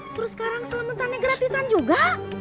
terus sekarang selementannya gratisan juga